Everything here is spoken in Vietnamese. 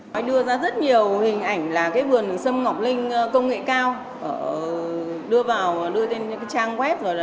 bà đưa ra rất nhiều hình ảnh là cái vườn sâm ngọc linh công nghệ cao đưa vào đưa lên trang web